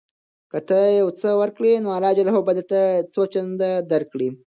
که ته یو څه ورکړې نو الله به درته څو چنده درکړي.